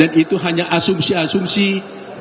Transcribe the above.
dan itu hanya asumsi asumsi presiden republik indonesia